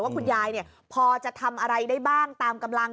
ว่าคุณยายพอจะทำอะไรได้บ้างตามกำลัง